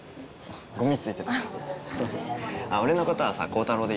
ゴミついてた。